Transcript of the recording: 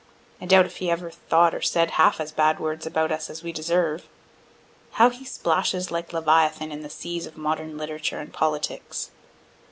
(I doubt if he ever thought or said half as bad words about us as we deserve.) How he splashes like leviathan in the seas of modern literature and politics!